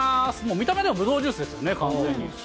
見た目ではぶどうジュースですよね、完全に。